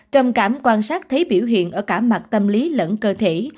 trầm cảm quan sát thấy biểu hiện ở cả mặt tâm lý lẫn cơ thể